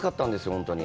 本当に。